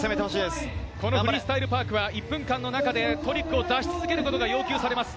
フリースタイル・パークは１分間の中でトリックを出し続けることが要求されます。